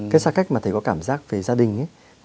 cái xa cách mà thầy có cảm giác về gia đình